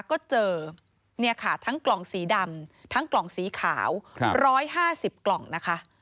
ก็เจอเนี่ยค่ะทั้งกล่องสีดำทั้งกล่องสีขาว๑๕๐กล่องนะคะ